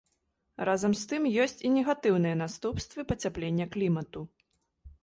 Разам з тым, ёсць і негатыўныя наступствы пацяплення клімату.